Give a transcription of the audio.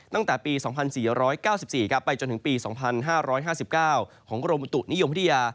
ตั้งแต่ปี๒๔๙๔ไปจนถึงปี๒๕๕๙ของกรมอุตุนิยมวิทยา